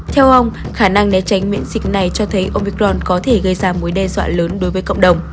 theo ông khả năng né tránh miễn dịch này cho thấy opicron có thể gây ra mối đe dọa lớn đối với cộng đồng